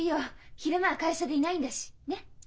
昼間は会社でいないんだしねっ？